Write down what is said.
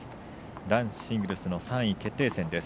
男子シングルスの３位決定戦です。